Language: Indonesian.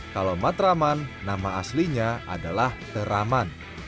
kalau matraman nama aslinya adalah teraman